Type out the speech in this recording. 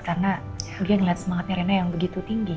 karena dia ngeliat semangatnya rena yang begitu tinggi